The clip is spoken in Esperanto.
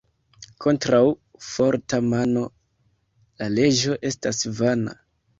Kontraŭ forta mano la leĝo estas vana.